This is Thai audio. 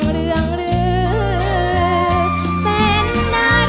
คุณพลอดภัณฑ์